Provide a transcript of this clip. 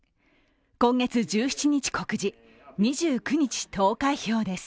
今月１７日告示、２９日投開票です